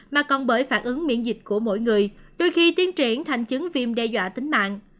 mà còn bởi phản ứng miễn dịch của mỗi người đôi khi tiến triển thành chứng viêm đe dọa tính mạng